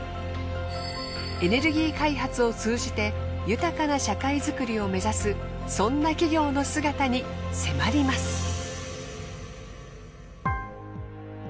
エネルギー開発を通じて豊かな社会づくりを目指すそんな企業の姿に迫ります。